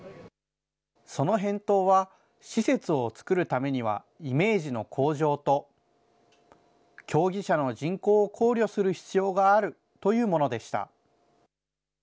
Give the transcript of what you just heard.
その返答は、施設を作るためにはイメージの向上と、競技者の人口を考慮する必要があるというものでした。